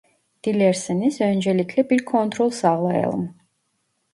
Dilerseniz öncelikle bir kontrol sağlayalım.